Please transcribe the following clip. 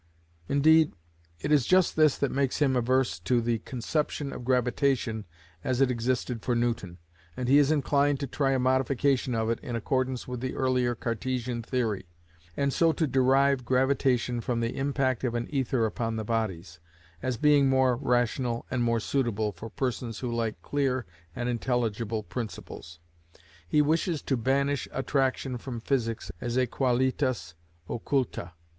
Indeed, it is just this that makes him averse to the conception of gravitation as it existed for Newton, and he is inclined to try a modification of it in accordance with the earlier Cartesian theory, and so to derive gravitation from the impact of an ether upon the bodies, as being "more rational and more suitable for persons who like clear and intelligible principles." He wishes to banish attraction from physics as a qualitas occulta.